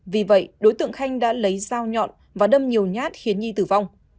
vì vậy đối tượng khanh đã lấy dao nhọn và đâm nhiều nhát khiến nhi tử vong